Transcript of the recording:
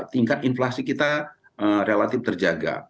tingkat inflasi kita relatif terjaga